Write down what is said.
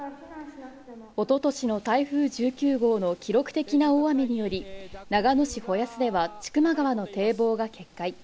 一昨年の台風１９号の記録的な大雨により、長野市穂保では千曲川の堤防が決壊。